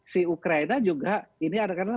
si ukraina juga ini ada karena